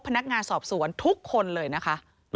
พนักงานสอบสวนทุกคนเลยนะคะ